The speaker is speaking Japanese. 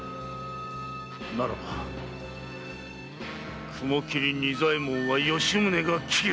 ならば雲切仁左衛門は吉宗が斬る！